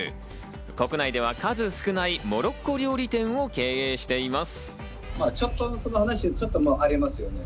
国内では数少ないモロッコ料理店を経営しています。